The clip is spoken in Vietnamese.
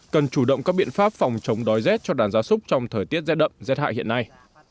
cần chủ động các biện pháp phòng chống đói rét cho đàn gia súc trong thời tiết rét đậm rét hại hiện nay